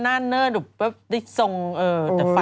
แต่ฝันเยอะ